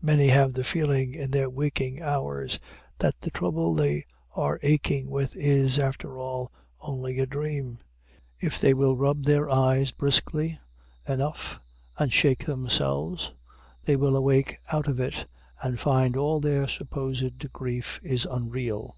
Many have the feeling in their waking hours that the trouble they are aching with is, after all, only a dream, if they will rub their eyes briskly enough and shake themselves, they will awake out of it, and find all their supposed grief is unreal.